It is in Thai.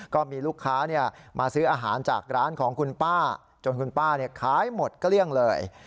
คุณป้าขายหมดเกลี้ยงเลย